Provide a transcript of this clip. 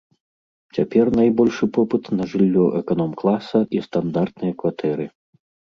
Цяпер найбольшы попыт на жыллё эканом-класа і стандартныя кватэры.